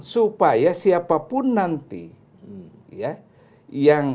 supaya siapapun nanti ya